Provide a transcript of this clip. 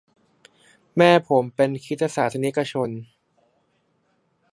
แม่ผมเป็นคริสตศาสนิกชน